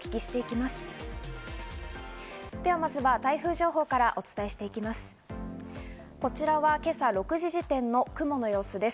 まずは台風情報からお伝えしていきます。